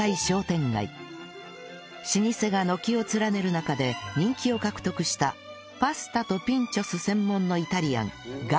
老舗が軒を連ねる中で人気を獲得したパスタとピンチョス専門のイタリアン